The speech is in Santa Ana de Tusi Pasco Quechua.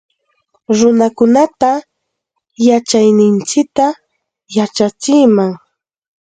Runakunata yachayninchikta yachachinam